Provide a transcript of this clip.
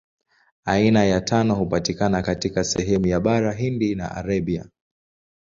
Aina ya tano hupatikana katika sehemu ya Bara Hindi na Arabia.